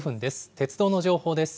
鉄道の情報です。